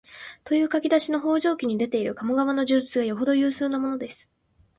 という書き出しの「方丈記」に出ている鴨川の叙述がよほど有数なものです